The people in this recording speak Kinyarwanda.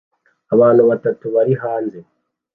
Abantu batatu bari hanze